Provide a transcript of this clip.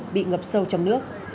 bị ngập sâu trong nước